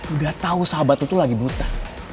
udah tau sahabat lo tuh lagi buta